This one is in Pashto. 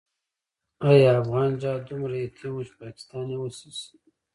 آیا افغان جهاد دومره یتیم وو چې پاکستان یې وصي شي؟